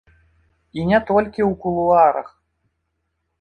І не толькі ў кулуарах.